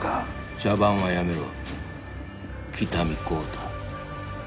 茶番はやめろ喜多見幸太